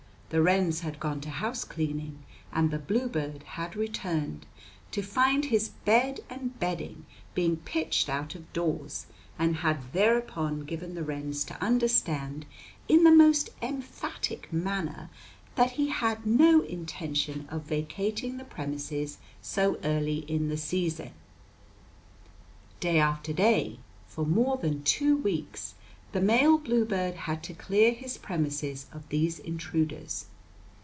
The wrens had gone to housecleaning, and the bluebird had returned to find his bed and bedding being pitched out of doors, and had thereupon given the wrens to understand in the most emphatic manner that he had no intention of vacating the premises so early in the season. Day after day, for more than two weeks, the male bluebird had to clear his premises of these intruders.